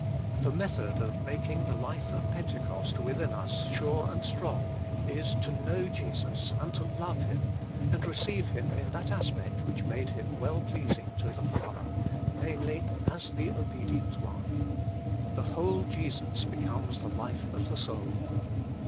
The method of making the life of Pentecost within us sure and strong is to know Jesus and to love Him, and receive Him in that aspect which made Him well pleasing to the Father namely, as the Obedient One. The whole Jesus becomes the life of the soul.